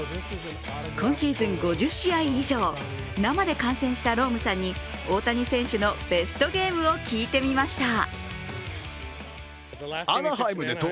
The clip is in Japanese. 今シーズン５０試合以上、生で観戦したロームさんに大谷選手のベストゲームを聞いてみました。